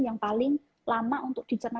yang paling lama untuk dicerna